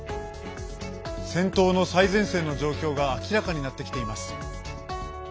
戦闘の最前線の状況が明らかになってきています。